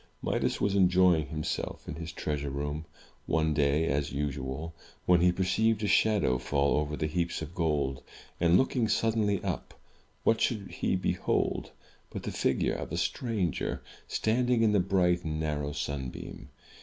Midas was enjoying himself in his treasure room, one day, as usual, when he perceived a shadow fall over the heaps of gold; and, looking suddenly up, what should he behold but the figure of a stranger, standing in the bright and narrow simbeam!